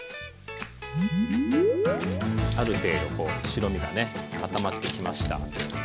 ある程度こう白身がね固まってきました。